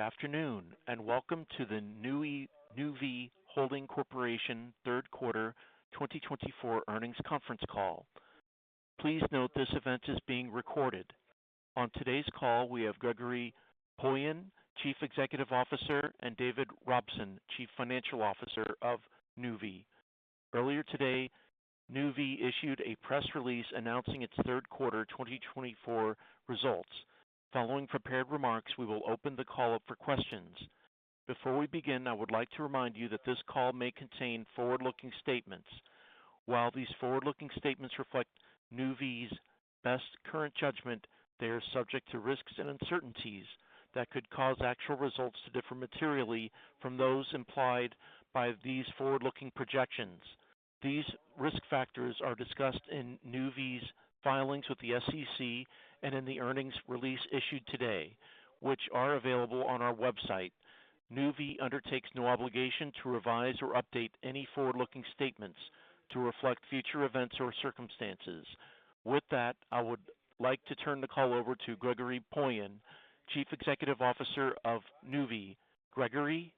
Good afternoon, and welcome to the Nuvve Holding Corporation third quarter 2024 earnings conference call. Please note this event is being recorded. On today's call, we have Gregory Poilasne, Chief Executive Officer, and David Robson, Chief Financial Officer of Nuvve. Earlier today, Nuvve issued a press release announcing its third quarter 2024 results. Following prepared remarks, we will open the call up for questions. Before we begin, I would like to remind you that this call may contain forward-looking statements. While these forward-looking statements reflect Nuvve's best current judgment, they are subject to risks and uncertainties that could cause actual results to differ materially from those implied by these forward-looking projections. These risk factors are discussed in Nuvve's filings with the SEC and in the earnings release issued today, which are available on our website. Nuvve undertakes no obligation to revise or update any forward-looking statements to reflect future events or circumstances. With that, I would like to turn the call over to Gregory Poilasne, Chief Executive Officer of Nuvve. Gregory?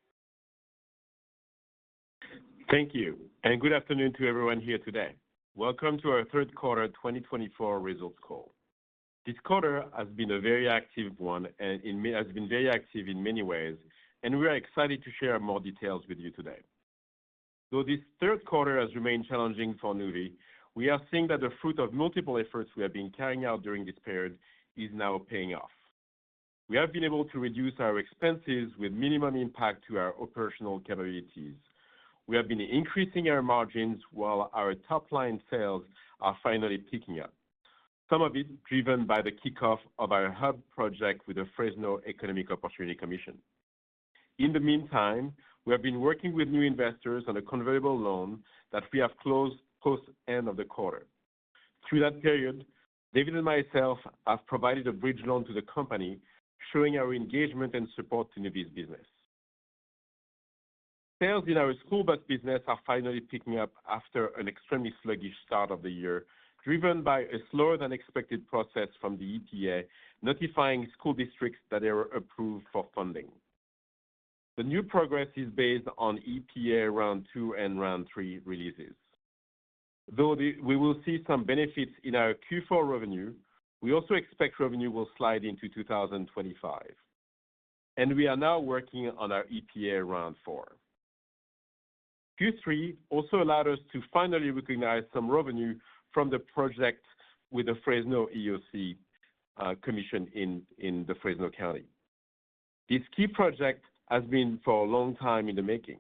Thank you, and good afternoon to everyone here today. Welcome to our third quarter 2024 results call. This quarter has been a very active one, and it has been very active in many ways, and we are excited to share more details with you today. Though this third quarter has remained challenging for Nuvve, we are seeing that the fruit of multiple efforts we have been carrying out during this period is now paying off. We have been able to reduce our expenses with minimum impact to our operational capabilities. We have been increasing our margins, while our top-line sales are finally picking up, some of it driven by the kickoff of our hub project with the Fresno Economic Opportunities Commission. In the meantime, we have been working with new investors on a convertible loan that we have closed post-end of the quarter. Through that period, David and myself have provided a bridge loan to the company, showing our engagement and support to Nuvve's business. Sales in our school bus business are finally picking up after an extremely sluggish start of the year, driven by a slower-than-expected process from the EPA notifying school districts that they were approved for funding. The new progress is based on EPA round two and round three releases. Though we will see some benefits in our Q4 revenue, we also expect revenue will slide into 2025, and we are now working on our EPA round four. Q3 also allowed us to finally recognize some revenue from the project with the Fresno EOC in Fresno County. This key project has been for a long time in the making.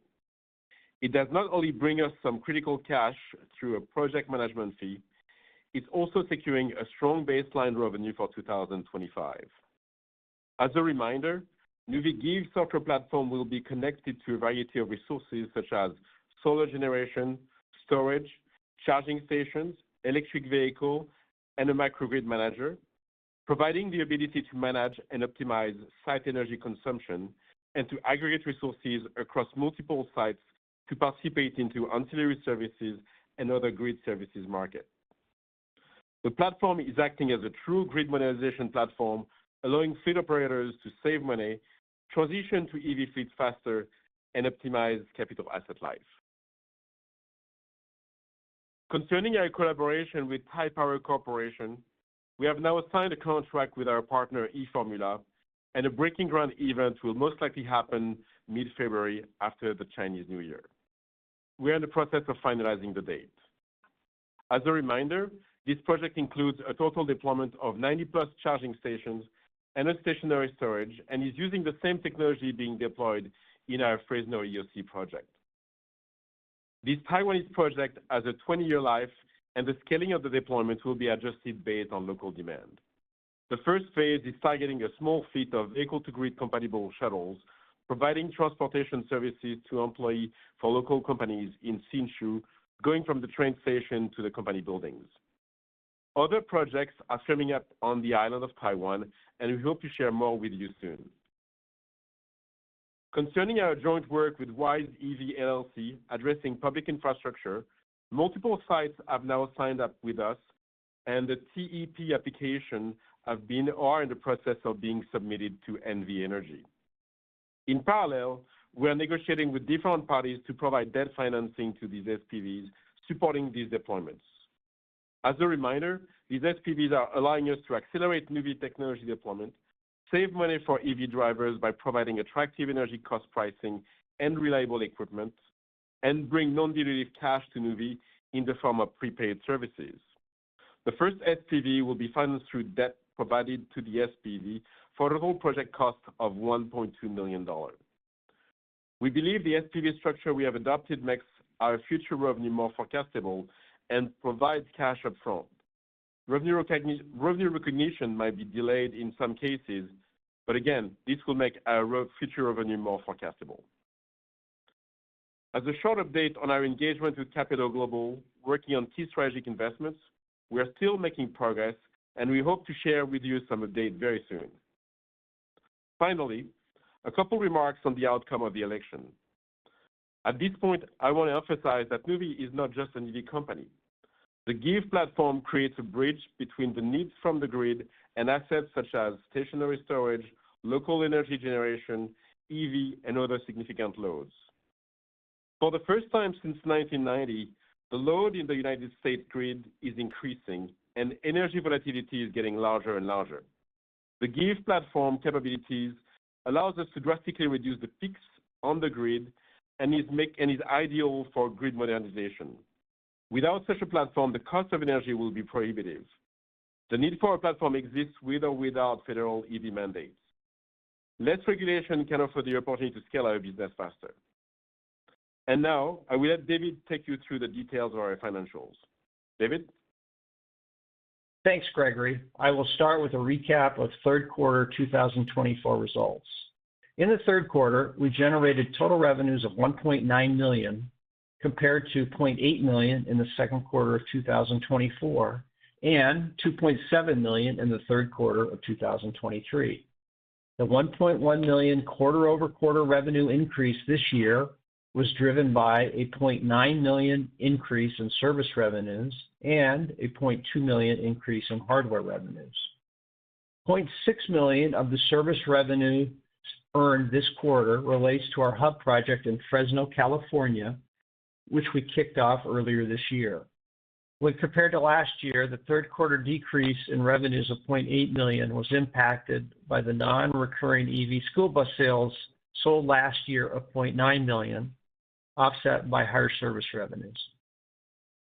It does not only bring us some critical cash through a project management fee. It's also securing a strong baseline revenue for 2025. As a reminder, Nuvve's software platform will be connected to a variety of resources such as solar generation, storage, charging stations, electric vehicles, and a microgrid manager, providing the ability to manage and optimize site energy consumption and to aggregate resources across multiple sites to participate in the ancillary services and other grid services market. The platform is acting as a true grid modernization platform, allowing fleet operators to save money, transition to EV fleets faster, and optimize capital asset life. Concerning our collaboration with Taiwan Power Company, we have now signed a contract with our partner, e-Formula, and a breaking ground event will most likely happen mid-February after the Chinese New Year. We are in the process of finalizing the date. As a reminder, this project includes a total deployment of 90-plus charging stations and stationary storage and is using the same technology being deployed in our Fresno EOC project. This Taiwanese project has a 20-year life, and the scaling of the deployment will be adjusted based on local demand. The first phase is targeting a small fleet of vehicle-to-grid compatible shuttles, providing transportation services to employees for local companies in Hsinchu, going from the train station to the company buildings. Other projects are coming up on the island of Taiwan, and we hope to share more with you soon. Concerning our joint work with Wise EV, LLC addressing public infrastructure, multiple sites have now signed up with us, and the TEP applications have been or are in the process of being submitted to NV Energy. In parallel, we are negotiating with different parties to provide debt financing to these SPVs supporting these deployments. As a reminder, these SPVs are allowing us to accelerate Nuvve technology deployment, save money for EV drivers by providing attractive energy cost pricing and reliable equipment, and bring non-dilutive cash to Nuvve in the form of prepaid services. The first SPV will be financed through debt provided to the SPV for a whole project cost of $1.2 million. We believe the SPV structure we have adopted makes our future revenue more forecastable and provides cash upfront. Revenue recognition might be delayed in some cases, but again, this will make our future revenue more forecastable. As a short update on our engagement with Kapital Global, working on key strategic investments, we are still making progress, and we hope to share with you some updates very soon. Finally, a couple of remarks on the outcome of the election. At this point, I want to emphasize that Nuvve is not just an EV company. The GIVe platform creates a bridge between the needs from the grid and assets such as stationary storage, local energy generation, EV, and other significant loads. For the first time since 1990, the load in the United States grid is increasing, and energy volatility is getting larger and larger. The GIVe platform capabilities allow us to drastically reduce the peaks on the grid, and it's ideal for grid modernization. Without such a platform, the cost of energy will be prohibitive. The need for a platform exists with or without federal EV mandates. Less regulation can offer the opportunity to scale our business faster. And now, I will let David take you through the details of our financials. David? Thanks, Gregory. I will start with a recap of third quarter 2024 results. In the third quarter, we generated total revenues of $1.9 million compared to $0.8 million in the second quarter of 2024 and $2.7 million in the third quarter of 2023. The $1.1 million quarter-over-quarter revenue increase this year was driven by a $0.9 million increase in service revenues and a $0.2 million increase in hardware revenues. $0.6 million of the service revenue earned this quarter relates to our hub project in Fresno, California, which we kicked off earlier this year. When compared to last year, the third quarter decrease in revenues of $0.8 million was impacted by the non-recurring EV school bus sales sold last year of $0.9 million, offset by higher service revenues.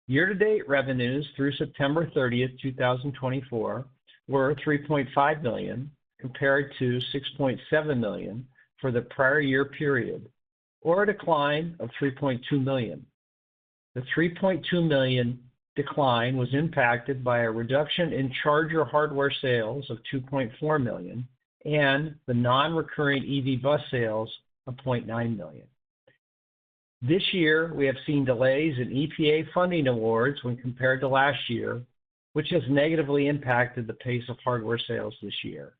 Year-to-date revenues through September 30, 2024, were $3.5 million compared to $6.7 million for the prior year period, or a decline of $3.2 million. The $3.2 million decline was impacted by a reduction in charger hardware sales of $2.4 million and the non-recurring EV bus sales of $0.9 million. This year, we have seen delays in EPA funding awards when compared to last year, which has negatively impacted the pace of hardware sales this year.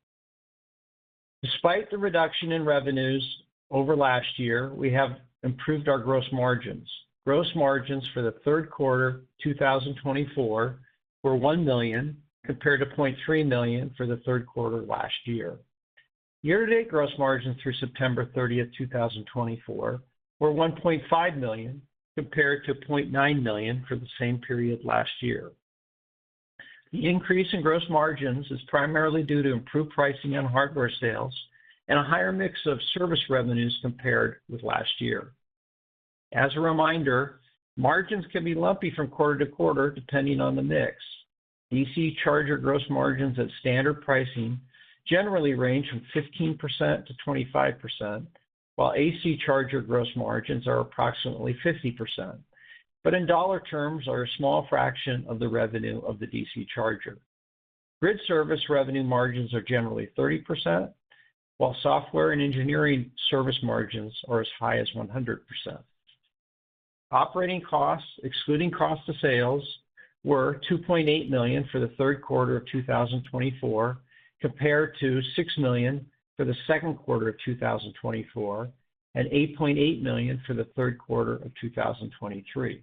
Despite the reduction in revenues over last year, we have improved our gross margins. Gross margins for the third quarter 2024 were $1 million compared to $0.3 million for the third quarter last year. Year-to-date gross margins through September 30, 2024, were $1.5 million compared to $0.9 million for the same period last year. The increase in gross margins is primarily due to improved pricing on hardware sales and a higher mix of service revenues compared with last year. As a reminder, margins can be lumpy from quarter to quarter depending on the mix. DC charger gross margins at standard pricing generally range from 15%-25%, while AC charger gross margins are approximately 50%, but in dollar terms, are a small fraction of the revenue of the DC charger. Grid service revenue margins are generally 30%, while software and engineering service margins are as high as 100%. Operating costs, excluding cost of sales, were $2.8 million for the third quarter of 2024, compared to $6 million for the second quarter of 2024 and $8.8 million for the third quarter of 2023.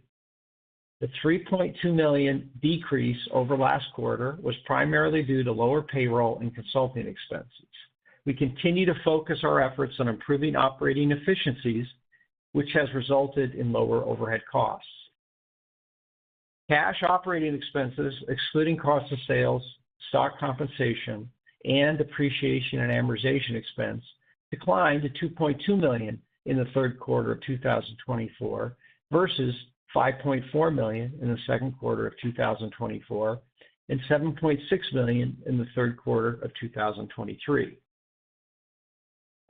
The $3.2 million decrease over last quarter was primarily due to lower payroll and consulting expenses. We continue to focus our efforts on improving operating efficiencies, which has resulted in lower overhead costs. Cash operating expenses, excluding cost of sales, stock compensation, and depreciation and amortization expense, declined to $2.2 million in the third quarter of 2024 versus $5.4 million in the second quarter of 2024 and $7.6 million in the third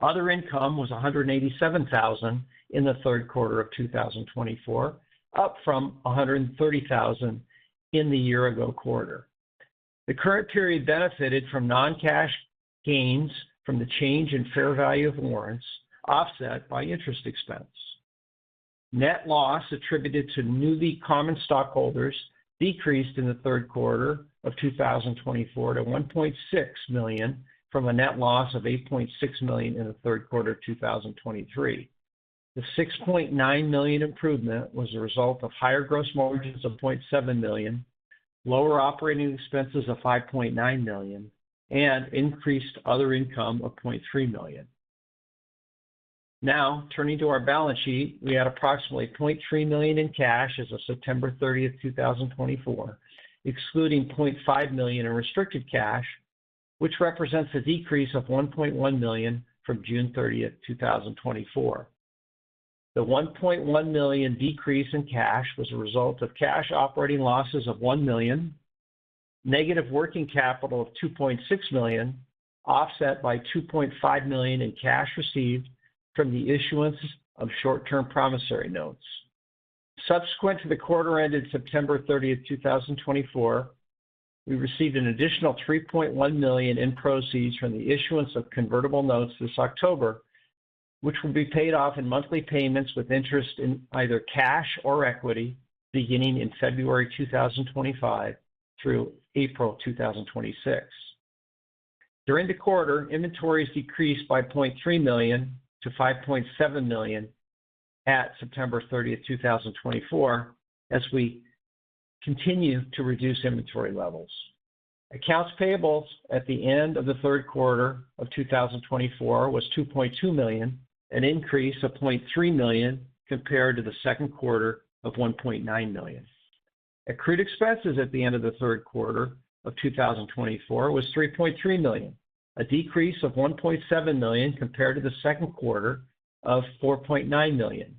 quarter of 2023. Other income was $187,000 in the third quarter of 2024, up from $130,000 in the year-ago quarter. The current period benefited from non-cash gains from the change in fair value of warrants, offset by interest expense. Net loss attributed to Nuvve Common Stockholders decreased in the third quarter of 2024 to $1.6 million from a net loss of $8.6 million in the third quarter of 2023. The $6.9 million improvement was a result of higher gross margins of $0.7 million, lower operating expenses of $5.9 million, and increased other income of $0.3 million. Now, turning to our balance sheet, we had approximately $0.3 million in cash as of September 30, 2024, excluding $0.5 million in restricted cash, which represents a decrease of $1.1 million from June 30, 2024. The $1.1 million decrease in cash was a result of cash operating losses of $1 million, negative working capital of $2.6 million, offset by $2.5 million in cash received from the issuance of short-term promissory notes. Subsequent to the quarter-ended September 30, 2024, we received an additional $3.1 million in proceeds from the issuance of convertible notes this October, which will be paid off in monthly payments with interest in either cash or equity beginning in February 2025 through April 2026. During the quarter, inventories decreased by $0.3 million to $5.7 million at September 30, 2024, as we continue to reduce inventory levels. Accounts payable at the end of the third quarter of 2024 was $2.2 million, an increase of $0.3 million compared to the second quarter of $1.9 million. Accrued expenses at the end of the third quarter of 2024 was $3.3 million, a decrease of $1.7 million compared to the second quarter of $4.9 million.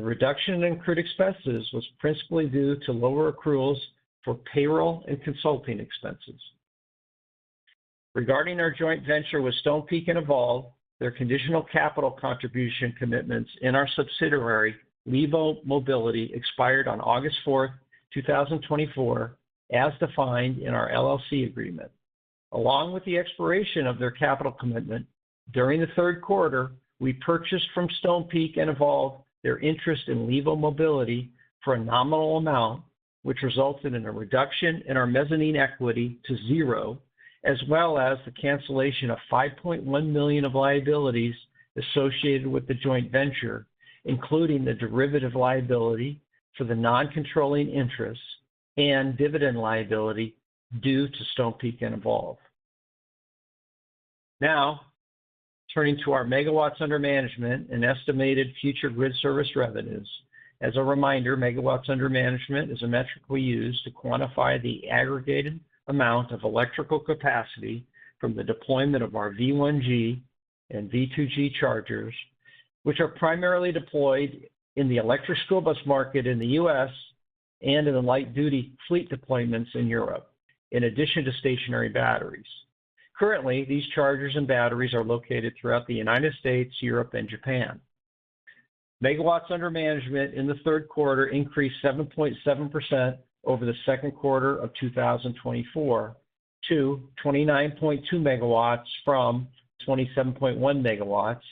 The reduction in accrued expenses was principally due to lower accruals for payroll and consulting expenses. Regarding our joint venture with Stonepeak and Evolve, their conditional capital contribution commitments in our subsidiary, Levo Mobility, expired on August 4, 2024, as defined in our LLC agreement. Along with the expiration of their capital commitment, during the third quarter, we purchased from Stonepeak and Evolve their interest in Levo Mobility for a nominal amount, which resulted in a reduction in our mezzanine equity to zero, as well as the cancellation of $5.1 million of liabilities associated with the joint venture, including the derivative liability for the non-controlling interest and dividend liability due to Stonepeak and Evolve. Now, turning to our megawatts under management and estimated future grid service revenues. As a reminder, megawatts under management is a metric we use to quantify the aggregated amount of electrical capacity from the deployment of our V1G and V2G chargers, which are primarily deployed in the electric school bus market in the U.S. and in the light-duty fleet deployments in Europe, in addition to stationary batteries. Currently, these chargers and batteries are located throughout the United States, Europe, and Japan. Megawatts under management in the third quarter increased 7.7% over the second quarter of 2024 to 29.2 megawatts from 27.1 megawatts,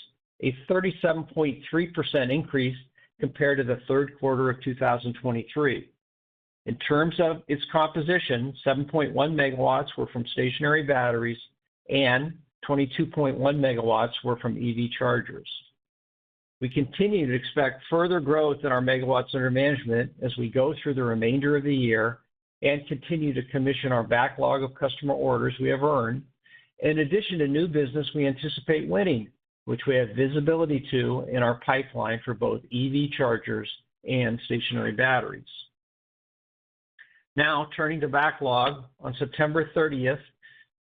a 37.3% increase compared to the third quarter of 2023. In terms of its composition, 7.1 megawatts were from stationary batteries and 22.1 megawatts were from EV chargers. We continue to expect further growth in our megawatts under management as we go through the remainder of the year and continue to commission our backlog of customer orders we have earned. In addition to new business, we anticipate winning, which we have visibility to in our pipeline for both EV chargers and stationary batteries. Now, turning to backlog, on September 30,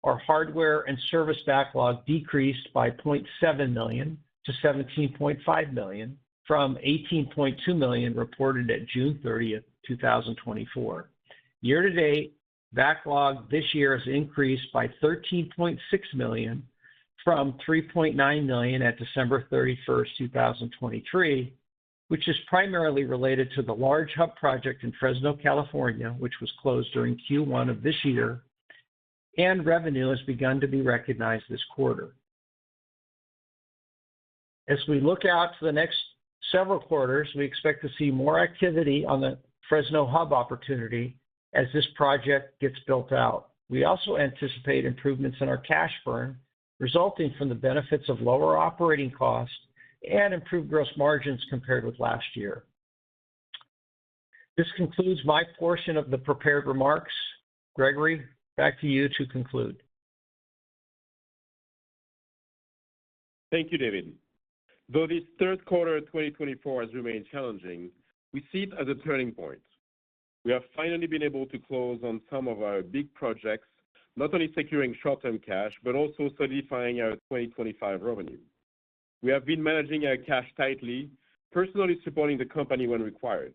our hardware and service backlog decreased by $0.7 million to $17.5 million from $18.2 million reported at June 30, 2024. Year-to-date backlog this year has increased by $13.6 million from $3.9 million at December 31, 2023, which is primarily related to the large hub project in Fresno, California, which was closed during Q1 of this year, and revenue has begun to be recognized this quarter. As we look out to the next several quarters, we expect to see more activity on the Fresno hub opportunity as this project gets built out. We also anticipate improvements in our cash burn resulting from the benefits of lower operating costs and improved gross margins compared with last year. This concludes my portion of the prepared remarks. Gregory, back to you to conclude. Thank you, David. Though this third quarter of 2024 has remained challenging, we see it as a turning point. We have finally been able to close on some of our big projects, not only securing short-term cash, but also solidifying our 2025 revenue. We have been managing our cash tightly, personally supporting the company when required.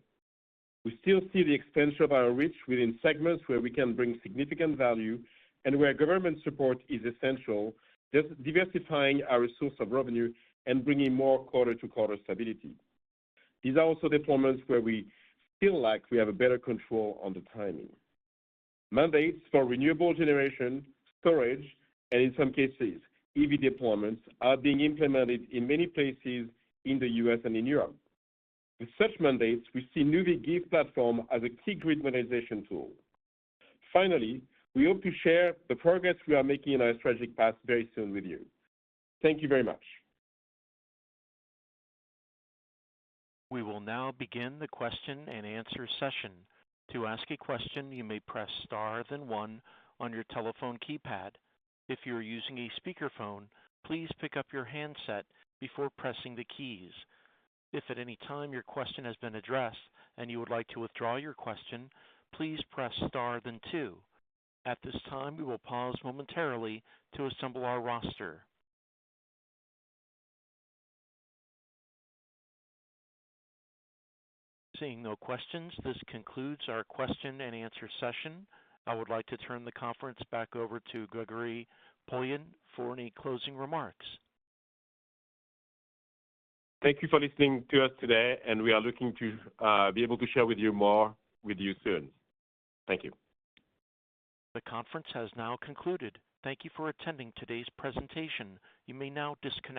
We still see the expansion of our reach within segments where we can bring significant value and where government support is essential, thus diversifying our source of revenue and bringing more quarter-to-quarter stability. These are also deployments where we feel like we have better control on the timing. Mandates for renewable generation, storage, and in some cases, EV deployments are being implemented in many places in the U.S. and in Europe. With such mandates, we see Nuvve's GIVe platform as a key grid modernization tool. Finally, we hope to share the progress we are making in our strategic path very soon with you. Thank you very much. We will now begin the question and answer session. To ask a question, you may press star then one on your telephone keypad. If you are using a speakerphone, please pick up your handset before pressing the keys. If at any time your question has been addressed and you would like to withdraw your question, please press star then two. At this time, we will pause momentarily to assemble our roster. Seeing no questions, this concludes our question and answer session. I would like to turn the conference back over to Gregory Poilasne for any closing remarks. Thank you for listening to us today, and we are looking to be able to share more with you soon. Thank you. The conference has now concluded. Thank you for attending today's presentation. You may now disconnect.